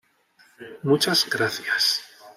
Muchas gracias".